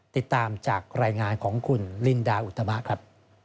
ติดตามจากรายงานของคุณลินดาอุตมะครับ